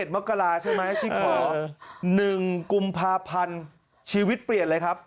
มกราใช่ไหมที่ขอ๑กุมภาพันธ์ชีวิตเปลี่ยนเลยครับ